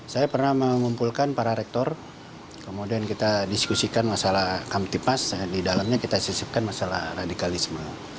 saya pernah mengumpulkan para rektor kemudian kita diskusikan masalah kamtipas di dalamnya kita sisipkan masalah radikalisme